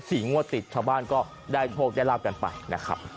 สี่งวดติดชาวบ้านก็ได้โทษจะลาบกันไปนะครับ